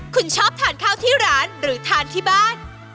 คุณชอบทานข้าวที่ร้านหรือทานที่บ้าน